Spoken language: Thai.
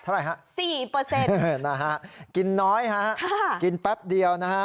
เท่าไหร่ฮะ๔นะฮะกินน้อยฮะกินแป๊บเดียวนะฮะ